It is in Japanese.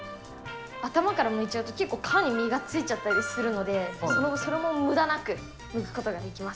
頭からむいちゃうと皮に実がついちゃったりするので、それもむだなく、むくことができます。